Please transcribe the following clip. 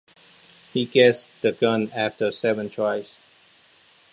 He gets the gun after seven tries.